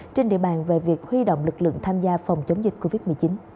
trên địa bàn về việc huy động lực lượng tham gia phòng chống dịch covid một mươi chín